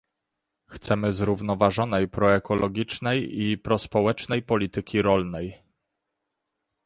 Chcemy zrównoważonej, proekologicznej i prospołecznej polityki rolnej